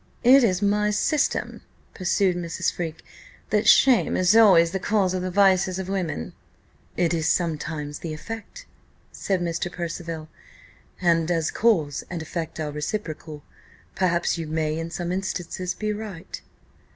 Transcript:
"It is my system," pursued Mrs. Freke, "that shame is always the cause of the vices of women." "It is sometimes the effect," said Mr. Percival; "and, as cause and effect are reciprocal, perhaps you may, in some instances, be right."